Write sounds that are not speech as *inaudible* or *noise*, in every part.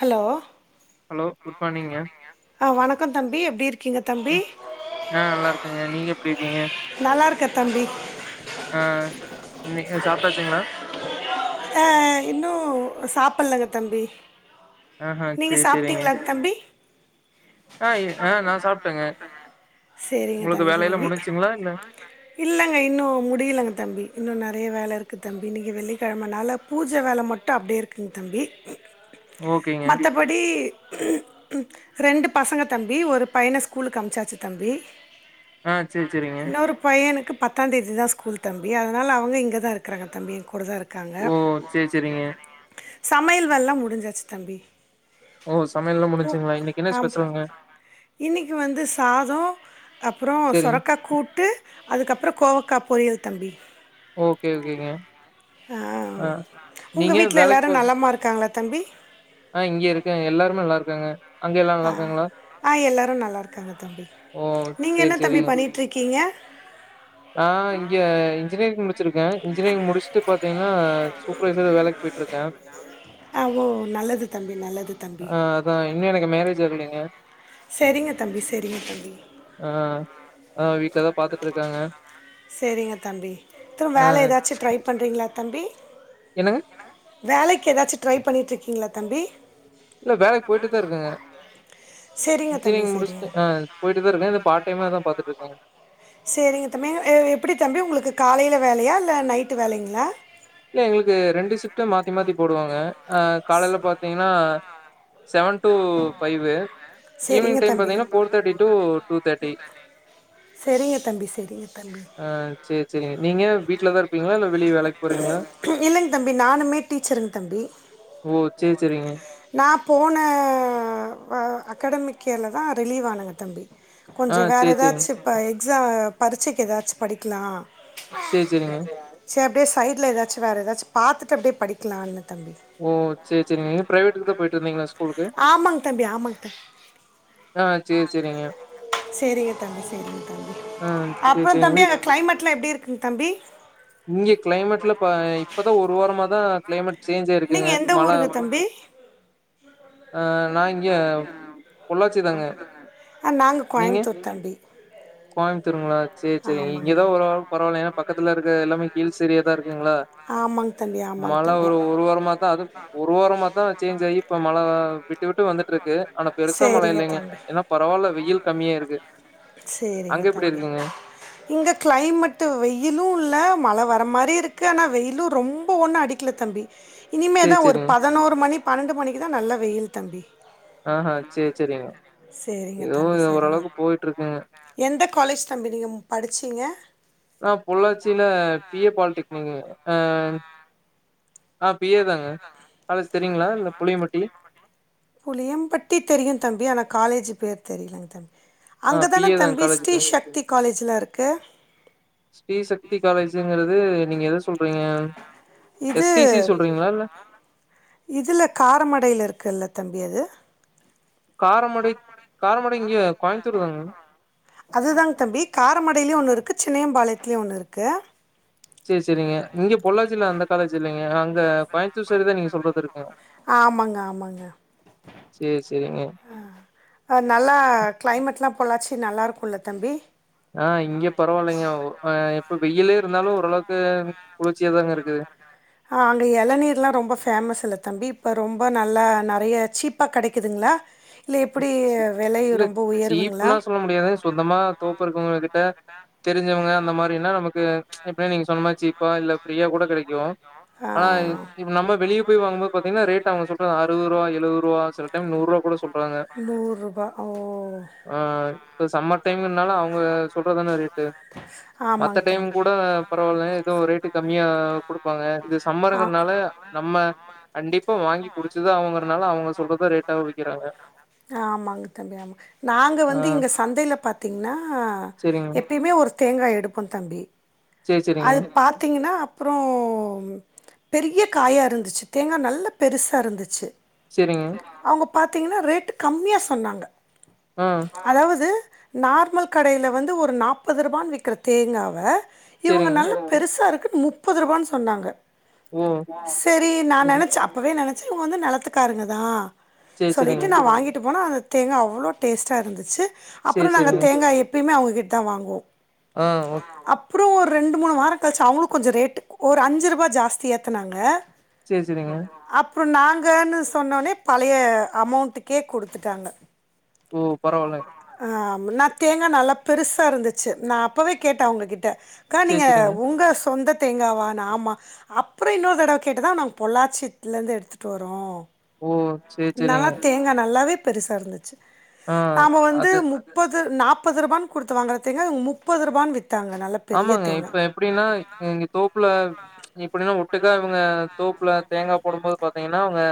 Hello hello good மார்னிங்க ஆ வணக்கம் தம்பி எப்டி இருக்கீங்க தம்பி நா நல்லா இருக்கேங்க நீங்க எப்டி இருக்கீங்க நல்லா இருக்கே தம்பி ஆ நீங்க சாப்ட்டாச்சிங்களா ஆ இன்னு சாப்டலங்க தம்பி ஆஹா நீங்க சேரி சேரிங்க சாப்ட்டீங்களா தம்பி ஆ எ ஆ நா சாப்ட்டேங்க சேரிங்க உங்களுக்கு வேலையெல்லா தங்க முடிஞ்சுங்களா இல்ல *unintelligible* இல்லங்க இன்னு முடிலங்க தம்பி இன்னு நறைய வேல இருக்கு தம்பி இன்னிக்கு வெள்ளி கெழமனால பூஜ வேல மட்டு அப்டே இருக்குங் தம்பி ஓகேங்க படி ரெண்டு பசங்க தம்பி ஒரு பையன ஸ்கூலுக்கு அமுச்சாச்சு தம்பி ஆ சேரி சேரிங்க இன்னொரு பையனுக்கு பத்தாந் தேதிதா ஸ்கூல் தம்பி அதனால அவங்க இங்கதா இருக்கறாங்க தம்பி எங் கூட தா இருக் காங்க ஓ சேரி சேரிங்க சமையல் வேல்லா முடிஞ்சாச்சு தம்பி ஓ சமையல்லா முடிஞ்சிங்ளா? இன்னிக்கு என்ன ஸ்பெஷலுங்க? இன்னிக்கு வந்து சாதோ அப்பறோ சேரிங்க சொரக்கா கூட்டு அதுக்கப்பறோ கோவக்கா பொறியல் தம்பி ஓகே ஓகேங்க ஆ உங்க நீங்க வீட்டுல வேலைக்கு எல்லாரு போ நலமா இருக்காங்களா தம்பி ஆ இங்கியே இருக்க எல்லாருமே நல்லா இருக்காங்க அங்க எல்லா ஆ நல்லா இருக்காங்களா ஆ எல்லாரு நல்லா இருக்காங்க தம்பி. ஓ நீங்க சேரி என்ன தம்பி பண்ணீட்ருக்கீங்க? ஆ இங்க இன்ஜினீரிங் முடிச்சிருக்க. இன்ஜினீரிங் முடிஸ்ட்டு பாத்திங்கன்னா சூப்பர்வைசரு வேலைக்கு போயிட்டுருக்க. அ உ நல்லது தம்பி நல்லது தம்பி அ இன்னு எனக்கு மேரேஜ் ஆகலீங்க செரிங்க தம்பி செரிங்க தம்பி அ அ வீட்டுலதா பாத்துட்ருக்காங்க சேரிங்க தம்பி திரு ஆ வேல எதாச்சு ட்ரை பண்றீங்களா தம்பி என்னங்க வேலைக்கு எதாச்சு ட்ரை பண்ணீட்ருக்கீங்களா தம்பி இல்ல வேலைக்கு போயிட்டுதா இருக்கங்க சரிங்க தம்பி இன்ஜினிரிங் சரிங்க முடிஸ்ட்டு அ போயிட்டுதா இருக்க எதோப் பார்ட்டைமா தா பாத்துட்ருக்க. சேரிங்க தம்பி எ எப்டி தம்பி உங்களுக்கு காலைல வேலயா இல்ல நைட்டு வேலைங்களா இல்ல எங்களுக்கு ரெண்டு ஷிப்ட்டு மாத்தி மாத்தி போடுவாங்க அ காலைல பாத்திங்ன்னா செவன் டூ ஃபைவு ஈவினிங் சரிங்க டைம் தம்பி பாத்திங்ன்னா four thirty to two thirty செரிங்க தம்பி செரிங்க தம்பி சேர் சேரிங்க நீங்க வீட்டுலதா இருப்பீங்களா இல்ல வெளி வேலைக்கு போறீங்களா? இல்லங் தம்பி நானுமே டீச்சருங் தம்பி ஓ! சரி, சரிங்க. நா போன அ அக்கடமிக் இயர்ல தா ரிலீவ் ஆனங்க தம்பி ஆ கொஞ்சோ வேற சரி, சரிங்க. எதாச்சி இப்ப எக்ஸா பரிச்சைக்கு எதாச்சு படிக்கலா சேர் சேரிங்க சேர் அப்டியே சைடுல எதாச்சு வேற எதாச்சு பாத்துட்டு அப்டே படிக்கலா இல்ல தம்பி ஓ சேர் சேரிங்க நீங்க பிரைவேட்டுக்கு தா போயிட்டிருந்தீங்களா ஸ் ஆமாங் தம்பி ஆமாங் தா ஆ சரி, சரிங்க. சேரிங்க தம்பி சேரிங்க தம்பி ஆ சரி, அப்பறோ சரிங்க. தம்பி வீ அங்க கிளைமேட்லா எப்டி இருக்குங் தம்பி இங்க கிளைமேட்லா பா இப்பதா ஒரு வாரமா தா கிளைமேட் சேஞ்சு நீங்க எந்த ஊருங்க தம்பி அ நா இங்க பொள்ளாச்சி தாங்க அ நாங்க கோயமுத்தூர் தம்பி கோயம்புத்தூருங்ளா சேர் சேரிங்க ஆமாங்க இங்கெதா ஓரளவுக்கு பரவால்ல ஏனா பக்கத்துல இருக்கு எல்லாமே ஹில்ஸ் ஏரியா தா இருக்குங்ளா ஆமாங்க தம்பி ஆமாங்க மழ தம்பி ஒரு ஒரு வாரமாத் தா அது ஒரு வாரமா தா சேஞ்ச் ஆகி இப்ப மழ விட்டு விட்டு வந்துட்ருக்கு ஆனா பெருசா மழ சரிங்க இல்லைங்க தம்பி ஏனா பரவால்ல வெயில் கம்மியாயிருக்கு சேரிங்க தம்பி இங்க கிளைமேட்டு வெயிலு இல்ல மழ வர மாரி இருக்கு ஆனா வெயிலு ரொம்ப ஒன்னு அடிக் க்கல தம்பி இனிமே சேரி தா ஒரு சேரிங்க பதினோரு மணி பன்னெண்டு மணிக்கு தா நல்ல வெயில் தம்பி ஆ ஹா சேர் செரிங்க சரிங்க எதோ தம்பி எதோ சரிங்க ஓரளவுக்கு போயட்ருக்குங்க எந்த காலேஜ் தம்பி நீங்கம் படிச்சிங்க நா பொள்ளாச்சில பி ஏ பால்டெக்னிக்கு ஆன் நா பி ஏ தாங்க காலேஜ் பொள்ளாச்சி தெரியுங்களா இல்ல தெரீங்களா இந்த புளியம்பட்டி புளியம்மபட்டி புளியம்பட்டி தெரியு தம்பி ஆனா காலேஜு பேரு தெரியலங்க தம்பி ஆ அங்க பி தான ஏ தான் தம்பி காலேஜ் ஸ்ரீ பேரு சக்தி காலேஜ்லா இருக்கு ஸ்ரீ சக்தி காலேஜுங்குறது நீங்க எத சொல்றீங்க இது எஸ் டி சி சொல்றீங்களா இல்ல இதுல காரமடைல இருக்குல்ல தம்பி அது காரமடை காரமடை இங்க கோயம்புத்தூர் தானுங்க அது தாங்க தம்பி காரமடைலயு ஒன்னு இருக்கு சின்னையம்பாளையத்துலயு ஒன்னு இருக்கு சேர் சேரிங்க இங்க பொள்ளாச்சில அந்த காலேஜ் இல்லைங்க அங்க கோயம்புத்தூர் சைடு தா நீங்க சொல்றது இருக்குங்க ஆமாங்க ஆமாங்க சேரி சேரிங்க ஆ ஆ நல்லா கிளைமேட்லா பொள்ளாச்சி நல்லாருக்குல தம்பி ஆ இங்க பரவால்லைங்க அ இப்ப வெயிலே இருந்தாலு ஓரளவுக்கு குளிர்ச்சியா தாங்க இருக்குது ஆ அங்க எளநீர்லா ரொம்ப ஃபேமஸுல தம்பி இப்போ ரொம்ப நல்லா நெறையா சீப்பா கெடைக்குதுங்ளா இல்ல உயர்வுங்களா? சீப்புலா சொல்ல முடியாது சொந்தமா தோப்பு இருக்கவ்ங்க கிட்ட தெரிஞ்சவ்ங்க அந்த மாரினா நமக்கு எப்டியு நீங்க சொன்னமாரி சீப்பா இல்ல ஃப்ரியா கூட கெடைக்கு ஆனா இப்ப நம்ப வெளிய போய் வாங்கும்போது பாத்திங்னா ரேட் அவ்ங்க சொல் அறுவரூவா எழுவரூவா சில டைம் நூறூவா கூட சொல் நூறுபா ஆ ஆ இப்ப சம்மர் டைம்மின்னால அவுங்க சொல்றதுதான ரேட்டு மத்த ஆமாங்க டைம் தம்பி கூட பரவால்லைங்க எதோ ரேட்டு கம்மியா குடுப்பாங்க இது ஆ சம்மருங்குறனால நம்ம கண்டிப்பா வாங்கி குடிச்சுதா அவங்கறனால அவ்ங்க சொல்றத ரேட்டா விக்கிறாங்க ஆமாங்க தம்பி ஆமா நாங்க ஆ வந்து இங்க சந்தைல பாத்தீங்னா செரிங்க எப் எப்பயுமே ஒரு தேங்கா எடுப்போ தம்பி சேர் சேரிங்க பாத்தீங்கனா அப்றோ பெரிய காயா இருந்துச்சு தேங்கா நல்ல பெருசா இருந்துச்சு சேரிங்க அவுங்க பாத்தீங்கனா ரேட்டு் கம்மியா சொன்னாங்க ஆ அதாவது நார்மல் கடைல வந்து ஒரு நாப்பது ரூபான் விக்கிற தேங்காவ இவுங்க செரிங்க நல்லா பெருசா இருக்கு முப்பது ரூபான் சொன்னாங்க ஓ செரி நா ம் நெனச்ச அப்பவே நெனச்ச இவ்ங்க வந்து நெலத்துக்காரங்கதா சேரி சொல்லிட்டு செரிங்க நா வாங்கிட்டு போன அந்த தேங்கா அவ்ளோ டேஸ்ட்டா இருந்துச்சு சேரி அப்றோ நாங்க செரிங்க தேங்காய எப்பயுமே அவுங்ககிட் தா வாங்குவோ ஆ ஓக் அப்புறோ ஒரு ரெண்டு மூணு வாரம் கழிச்சு அவங்களு கொஞ்சோ ரேட்டு ஒரு அஞ்சு ரூபா ஜாஸ்தி ஏத்துனாங்க சேரி செரிங்க அப்புற நாங்கன்னு சொன்னோனே பழைய அமௌண்ட்டுக்கே குடுத்துட்டாங்க ஓ பரவால்ல ஆ நா தேங்கா நல்லா பெருசா இருந்துச்சு நா அப்பவே கேட்ட உங்ககிட்ட அக்கா சேரி நீங்க செரிங்க உங்க சொந்த தேங்காவான ஆமா அப்புற இன்னொரு தடவ கேட்டுதா நாங்க பொள்ளாச்சித்ல இருந்து எடுத்துட்டு வரோ ஓ சேரி செரிங்க நல்லா தேங்கா நல்லாவே பெருசா இருந்துச்சு ஆ நாம வந்து அது முப் பது நாப்பது ரூபான்னு குடுத்து வாங்கற தேங்கா முப்பது ரூபான்னு வித்தாங்க நல்ல பெரிய ஆமாங்க இப்ப எப்டினா இங்க தோப்புல எப்டினா ஒட்டுக்கா இவுங்க தோப்புல தேங்கா போடும் போது பாத்தீங்னா அவுங்க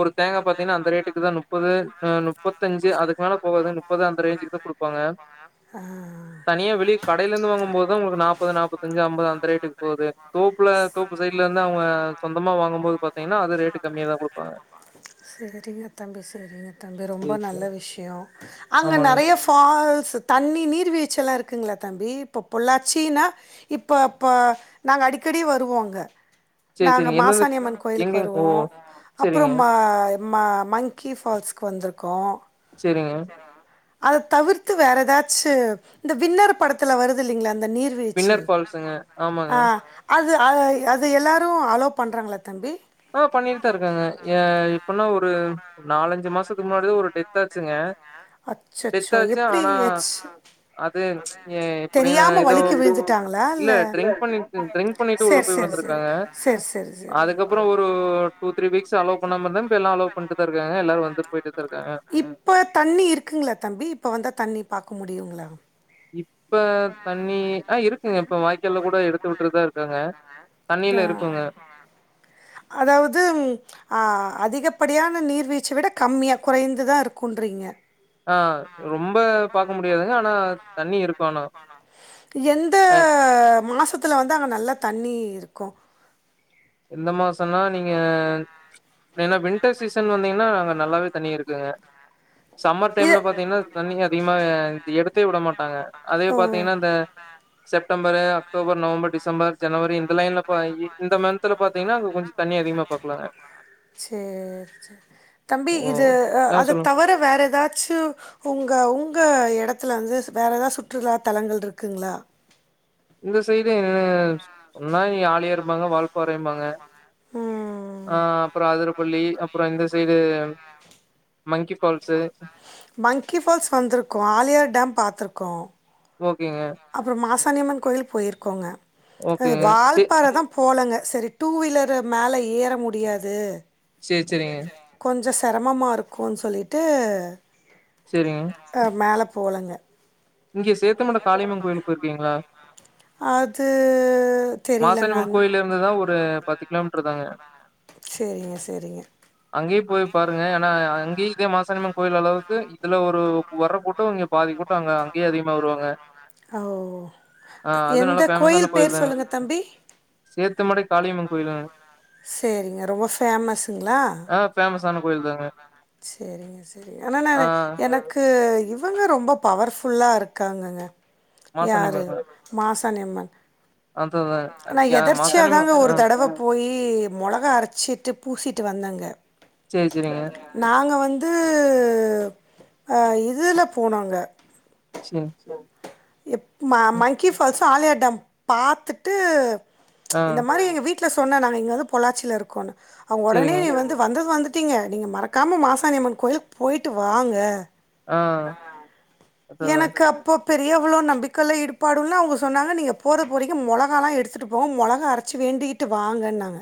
ஒரு தேங்கா பாத்தீங்னா அந்த ரேட்டுக்கு தா நுப்பது அ நுப்பத்தஞ்சு அதுக்கு மேல போகாது முப்பது அந்த ரேஞ்சுக்கு தா குடுப்பாங்க ம் தனியா வெளிய கடைல இருந்து வாங்கும் போதுதா உங்களுக்கு நாப்பது நாப்பத்தஞ்சு அம்பது அந்த ரேட்டுக்கு போகுது தோப்புல தோப்பு சைட் ல இருந்து அவுங்க சொந்தம்மா வாங்கும்போது பாத்தீங்னா அது ரேட்டு கம்மியா தா குடுப்பாங்க செரிங்க தம்பி செரிங்க தம்பி ரொம்ப சரி, நல்ல சரி. விஷயம் அங்க ஆமாங்க. நறைய ஃபால்ஸ் தண்ணி நீர்வீ்ழ்ச்சிலா இருக்குங்ளா தம்பி இப்போ பொள்ளாச்சினா இப்பப்ப நாங்க அடிக்கடி வருவோ அங்க சரி, நாங்க சரிங்க. எந்தெந்த மாசாணியம்மன் கோயிலுக்கு எங்க ஓ! வருவோ சரிங்க, அப்புறம் ம ம மங்க்கி ஃபால்ஸ்க்கு வந்துருக்கோ செரிங்க அத தவிர்த்து வேற ஏதாச்சு இந்த வின்னரு படத்துல வருதில்லிங்ளா அந்த நீர் வீழ்ச்சி பின்னர் ஃபால்ஸுங்க. ஆமாங்க. அ அது அது எல்லாரு அலோ பண்றாங்ளா தம்பி ஆ பண்ணிட்தா இருக்காங்க ஏ எப்பனா ஒரு நாலஞ்சு மாசத்துக்கு முன்னாடிதா ஒரு டெத்தாச்சுங்க அச்சச்சோ டெத்தாச்சு எப்டி ஆனா ஆச்சு அது ஏ இப்டி நா தெரியாம ஏதோ வலிக்கி விழுந்துட்டாங்களா இல்ல ட்ரிங்க் பண்ணி ட்ரி்ங் பண்ணிட்டு உள்ள சேரி போய் சேரி சேரி விழுந்துருக்காங்க சேரி சேரி சேரி அதுக்கப் பறோ ஒரு டூ த்ரீ வீக்ஸ் அலோ பண்ணாம இருந்தாங் இப்ப எல்லா அலோவ் பண்ட்டுதா இருக்காங்க எல்லாரு வந்துட் போயிட்டு தா இருக்காங்க இப்போ தண்ணி இருக்குங்குளா தம்பி இப்போ வந்தா தண்ணி பாக்க முடியுங்ளா இப்ப தண்ணி ஆ இருக்குங்க இப்ப வாய்க்கால்ல கூட எடுத்து விட்டுருதா இருக்காங்க ஆ தண்ணியிலா இருக்குங்க அதாவது அ அதிகப்படியான நீர்வீழ்ச்சி விட கம்மியாக குறைந்துதா இருக்குன்றீங்க ஆ ரொம்ப பாக்க முடியாதுங்க ஆனா தண்ணி இருக்கு ஆனா எந்த அ மாசத்துல வந்து அங்க நல்லா தண்ணீ இருக்கு இந்த மாசன்னா நீங்க ஏன்னா வின்டர் சீசன் வந்தீங்னா அங்க நல்லாவே தண்ணி இருக்குங்க சம்மர் டைம்ல பாத்தீங்னா தண்ணி அதிகமா எடுத்தே உட மாட்டாங்க அதே பாத்தீங்கனா இந்த செப்டம்பரு அக்டோபர் நவம்பர் டிசம்பர் ஜனவரி இந்த லைன்ல போய் இந்த மந்த் துல பாத்தீங்னா அங்க கொஞ்ச தண்ணி அதிகமா பாக்லாங்க சேர் செரி தம்பி ஓ இது ஆ அது சொல்லுங்க தவர வேற ஏதாச்சும் உங்க உங்க இடத்துல வந்து வேற ஏதாவது சுற்றுலா தலங்கள் இருக்குங்ளா இந்த சைடு சொன்னா இங்க ஆழியாரும் பாங்க வால்பாறைம்பாங்க ம் ஆ அப்புற அதுரப்பள்ளி அப்புற இந்த side monkey falls monkey falls வந்திருக்கோ ஆழியார் டேம் பாத்துருக்கோ ஓகேங்க அப்றோ மாசானியம்மன் கோயில்க் போயிருக்கோங்க ஓகேங்க சே வால்பாறதா போலங்க சரி டூ வீலரு மேல ஏற முடியாது சேரி சேரிங்க கொஞ்சோ செரமமா இருக்கூனு சொல்லிட்டு சேரிங் அ மேல போலங்க இங்க சேத்தமட காளியம்மன் கோயிலுக்கு போயிருக்கீங்ளா? அது தெரிலங்க மாசாணியம்மன் அந் கோயில்ல இருந்துதா ஒரு பத்து கிலோமீட்டர் தாங்க சேரிங்க சேரிங்க அங்கயு போய் பாருங்க ஏனா அங்கே இதே மாசனியம்மன் கோயில் அளவுக்கு இதுல ஒரு வர்ர கூட்டோ இங்க பாதி கூட்டோ அங்க அங்கேயே அதிகமா வருவாங்க. ஓ ஆ அதுவும் எந்த நல்லா கோயில் பேர் சொல்லுங்க தம்பி சேத்து மடை காளியம்மன் கோயிலுங்க சேரிங்க ரொம்ப ஃபேமஸுங்ளா? ஆ ஃபேமஸான கோயில் தாங்க. சேரிங்க சேரிங் ஆனா ஆ நானு எனக்கு உ இவுங்க ரொம்ப பவர்ஃபுல்லா இருக்காங்கங்க யாரு மாசாணியம்மன்ங்க. மாசாணியம்மன் அதுதான். ஆனா அ மாசாணியம்மன் எதர்ச்சியாதாங்க ஆ ஒரு தடவ போயி மொளகா அரச்சிட்டு பூசிட்டு வந்தங்க சரி, சரிங்க. நாங்க வந்து இதுல போனொங்க சேரிங் எம் மங்கி ஃபால்ஸு ஆழியார் டேம் பாத்துட்டு ஆ இந்த மாரி எங்க வீட்ல சொன்னோ நாங்க இங்க வந்து பொள்ளாச்சில இருக்கோன்னு அவுங்க ஒடனே சரிங்க. நீ வந்து வந்து ட்டீங்க நீங்க மறக்காம மாசாணியம்மன் கோயிலுக்கு போயிட்டு வாங்க ஆ அததா எனக்கு அப்போ பெரியவளு நம்பிக்கைல ஈடுபாடு உள்ள அவுங்க சொன்னாங்க நீங்க போறது போறீங்க மொளகாயெல்லா எடுத்துட்டு போங்க மொளகா ச்சு வேண்டிகிட்டு வாங்கன்னாங்க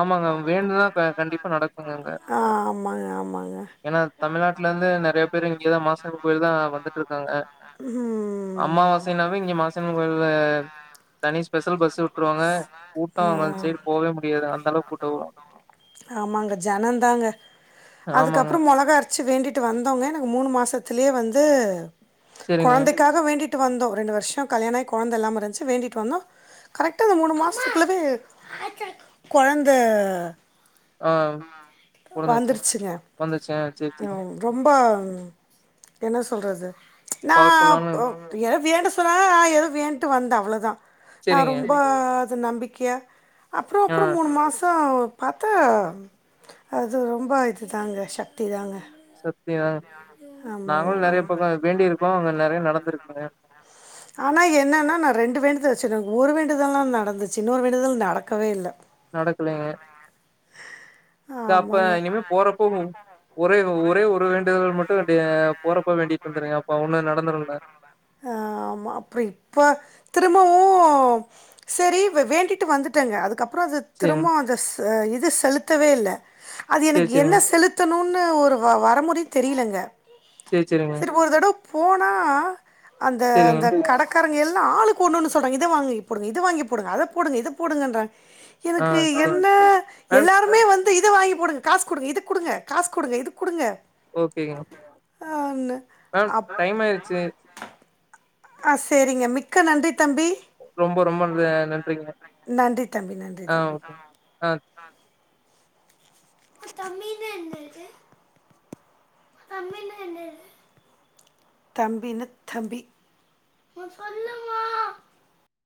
ஆமாங்க வேண்டுனா கண்டிப்பா நடக்குங்க அங்க ஆ ஆமாங்க ஆமாங்க ஏனா தமிழ்நாட்லந்து நெறயா பேரு இங்கதா மாசாணியம்மன் கோயில்தா வந்துட்டு இருக்காங்க ம் அம்மாவாசைனாவே இங்க மாசாணியம்மன் கோயில்ல தனி ஸ்பெஷல் பஸ் விட்டுருவாங்க கூட்டோ அந்த சைடு போவே முடியாது அந்த அளவுக்கு கூட்டோ வரு ஆமாங்க ஜனந்தாங்க ஆமாங்க அப்றோ மொளகா அரச்சு வேண்டிட்டு வந்தோங்க நாங்க மூணு மாசத்துலயே வந்து சரிங்க. கொழந்தைக்காக வேண்டிட்டு வந்தோ ரெண்டு வர்ஷோ கல்யாணோய் கொழந்த இல்லாம இருந்ச்சு வேண்டிட்டு வந்தோ கரெக்டா அந்த மூணு மாசத்துக்குள்ளவே கொழந்த ஆ பொறந்துச்சுங் வந்துருச்சுங்க. வந்துசருச்சுங் ஆ சேரி சேரி ம், ரொம்ப என்ன சொல்றது நா பவர்ஃபுல்லான எதோ வேண்ட சொன்னா எதோ வேண்ட்டு வந்த அவ்ளதா நா சரிங்க. ரொம்ப அது நம்பிக்கையா அப்றோ ஆ அப்றோ மூணு மாசோ பாத்தா அது ரொம்ப இதுதாங்க ஷக்திதாங்க சக்திதாங்க நாங்களு நெறயா ஆமாங்க பக்கோ வேண்டிருக்கோ அங்க நெறயா நடந்திருக்குங்க ஆனா என்னனா நா ரெண்டு வேண்டுதல் வெச் எனக்கு ஒரு வேண்டுதல்லா நடந்துச்சு இன்னொரு வேண்டுதல் நடக்கவே இல்ல நடக்கலைங்க த அப்ப ஆமாங்க இனிமே போறப்போ ஒரே ஒரே ஒரு வேண்டுதல் மட்டு போறப்ப வேண்டிட்டு வந்துருங்க அப்ப ஒண்ணு நடந்துருல ஆ ஆமா அப்றோ இப்ப திரும்பவு செரி வேண்டிட்டு வந்துட்டேங்க அதுக்கப்றோ அது சரிங்க. திரும்ப அத இது செலுத்தவே இல்ல அது சரி, எனக்கு என்ன சரிங்க. செலுத் த்தணுனு ஒரு வரமுறயே தெரிலங்க சரி, சரிங்க. செரி ஒரு தடவ போனா அந்த சரிங்க. அந்த கடக்காரங்க எல்லா ஆளுக்கு ஒண்ணொண்ணு இது வாங்கி போடுங்க இது வாங்கி போடுங்க அத போடுங்க இத போடுங்கன்றாங்க ஆ எனக்கு சரி. என்ன மேம் எல்லாருமே வந் இத வாங்கி போடுங்க காசு குடுங்க இதுக்குடுங்க காசு குடுங்க இதுக்குடுங்க ஓகேங்க. *unintelligible* மேம் டைம் ஆயிருச்சு ஆ சேரிங்க மிக்க நன்றி தம்பி ரொம்ப ரொம்ப நன்றிங்க நன்றி தம்பி நன்றி ஆ தம்பி ஓகே ஆ தம்பின்னா என்னது தம்பின்னா என்னது தம்பின்னா தம்பி